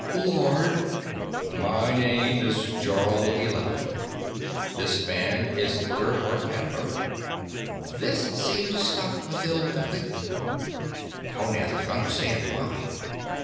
"Lord " "My name is Jarl Eleven. This man is Gerhardt Adler." This seemed to stop Mathild completely. Honath could understand why.